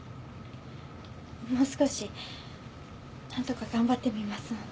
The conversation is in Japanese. ・もう少し何とか頑張ってみますので。